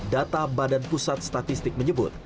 data badan pusat statistik menyebut